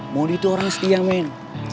mondi tuh orang setia men